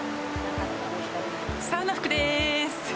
サウナ服でーす。